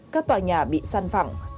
các tòa nhà bị săn phẳng